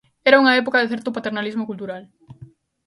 Era unha época de certo paternalismo cultural.